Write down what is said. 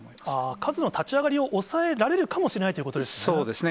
数の立ち上がりを抑えられるかもしれないということですね。